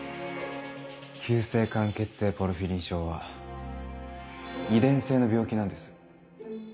急性間欠性ポルフィリン症は遺伝性の病気なんです。